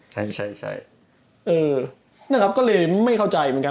จากนั้นก็เลยไม่เข้าใจเหมือนกัน